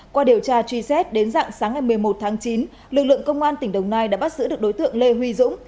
qua điều tra truy xét đến dạng sáng ngày một mươi một tháng chín lực lượng công an tỉnh đồng nai đã bắt giữ được đối tượng lê huy dũng